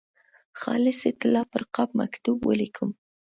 خالصې طلا پر قاب مکتوب ولیکم.